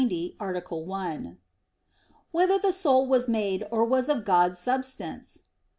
90, Art. 1] Whether the Soul Was Made or Was of God's Substance?